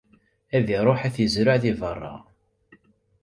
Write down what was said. Ad iruḥ, ad t-izreɛ di berra.